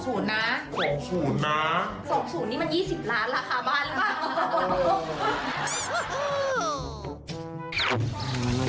ส่งศูนย์นี่มัน๒๐ล้านราคาบ้านเลย